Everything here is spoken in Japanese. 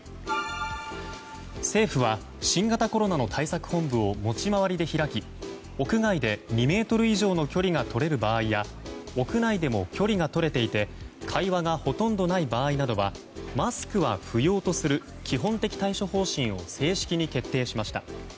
政府は新型コロナの対策本部を持ち回りで開き屋外で２ｍ以上の距離が取れる場合や屋内でも距離が取れていて会話がほとんどない場合などはマスクは不要とする基本的対処方針を正式に決定しました。